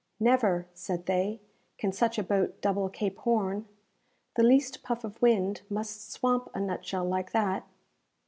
"Never," said they, "can such a boat double Cape Horn. The least puff of wind must swamp a nutshell like that!"